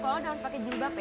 kalo udah harus pake jilbab ya